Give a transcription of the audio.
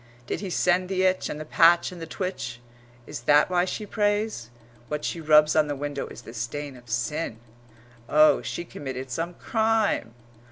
Did he send the itch and the patch and the twitch? Is that why she prays? What she rubs on the window is the stain of sin. Oh, she committed some crime!